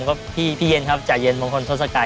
ก็พี่เย็นครับจ่ายเย็นมงคลทศกาย